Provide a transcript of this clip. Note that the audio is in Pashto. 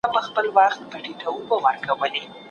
که ټولنیز قوتونه درک کړو نو بریالي کیږو.